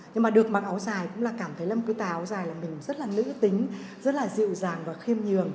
nhưng mà được mặc áo dài cũng là cảm thấy là một cái tà áo dài là mình rất là nữ tính rất là dịu dàng và khiêm nhường